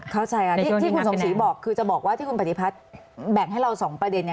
เข้าใจที่คุณสมศึย์บอกเครื่องที่คุณปฏิบัติแบ่งให้เรา๒ประเด็น